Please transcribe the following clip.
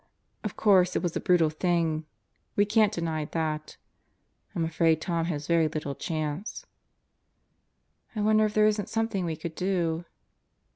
... Of course it was a brutal thing. We can't deny that. ... I'm afraid Tom has very little chance. ..." "I wonder if there isn't something we could do."